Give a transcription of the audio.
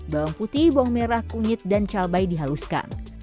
bawang putih bawang merah kunyit dan cabai dihaluskan